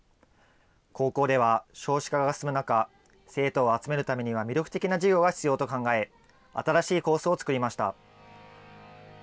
高校では、少子化が進む中、生徒を集めるためには魅力的な授業が必要と考え、新しいコースを作りました。